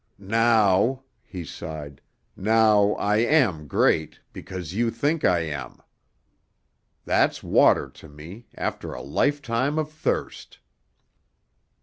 "Now," he sighed, "now I am great because you think I am; that's water to me after a lifetime of thirst."